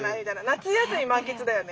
夏休み満喫だよね。